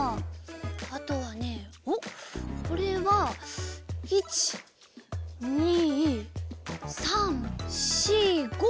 あとはねおっこれは１２３４５。